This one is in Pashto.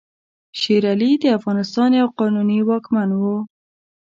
شېر علي د افغانستان یو قانوني واکمن وو.